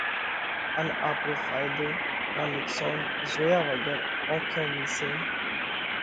ان آپرو ڦائيۮو ڪا نُقصون زويا وڳر اونکيون ميشينَ